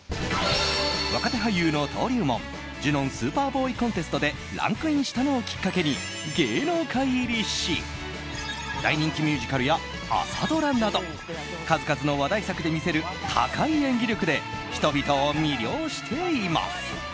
若手俳優の登竜門ジュノン・スーパーボーイ・コンテストでランクインしたのをきっかけに芸能界入りし大人気ミュージカルや朝ドラなど数々の話題作で見せる高い演技力で人々を魅了しています。